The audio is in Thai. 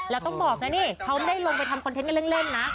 แล้วต้องบอกนะนี่เขาไม่ได้ลงไปทำคอนเทนต์กันเล่นนะ